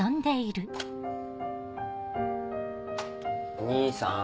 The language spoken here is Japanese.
お義兄さん